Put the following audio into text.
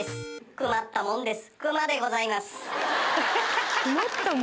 「クマったもんです」？